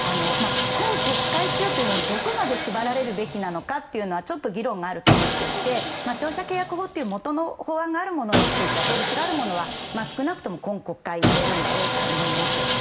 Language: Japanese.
今国会中というのに、どこまで縛られるべきなのかというのはちょっと議論があると思っていて消費者契約法という元の法律があるものは少なくとも今国会でやれるんだろうと思います。